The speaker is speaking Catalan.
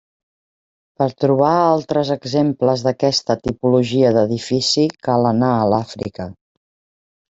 Per trobar altres exemples d'aquesta tipologia d'edifici cal anar a l'Àfrica.